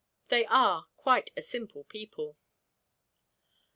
They are quite a simple people.